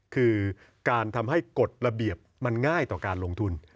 คือการทำให้กฎระเบียบมันง่ายต่อการลงทุน